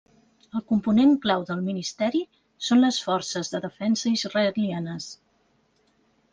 El component clau del ministeri són les Forces de Defensa Israelianes.